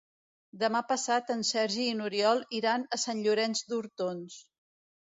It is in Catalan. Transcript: Demà passat en Sergi i n'Oriol iran a Sant Llorenç d'Hortons.